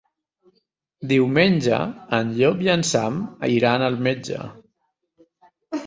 Diumenge en Llop i en Sam iran al metge.